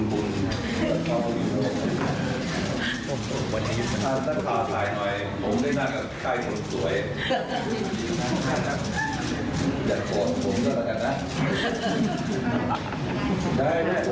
ได้ผมไม่ว่าอยากนั่นแล้วนะ